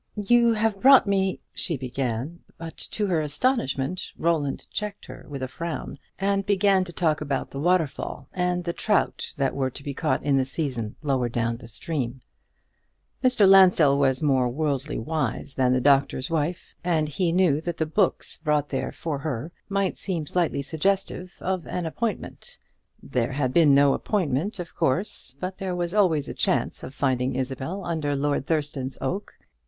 "You have brought me " she began; but to her astonishment Roland checked her with a frown, and began to talk about the waterfall, and the trout that were to be caught in the season lower down in the stream. Mr. Lansdell was more worldly wise than the Doctor's Wife, and he knew that the books brought there for her might seem slightly suggestive of an appointment. There had been no appointment, of course; but there was always a chance of finding Isabel under Lord Thurston's oak.